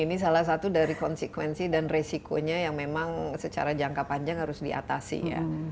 ini salah satu dari konsekuensi dan resikonya yang memang secara jangka panjang harus diatasi ya